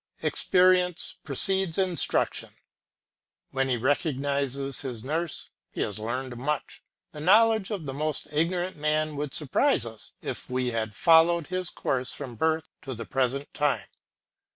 Experience precedes instruction; when he recognises his nurse he has learnt much. The knowledge of the most ignorant man would surprise us if we had followed his course from birth to the present time.